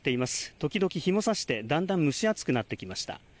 時々日がさして、だんだん蒸し暑くなってきました。